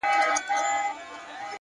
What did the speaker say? هڅه کوونکی انسان لاره پیدا کوي.